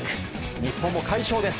日本も快勝です。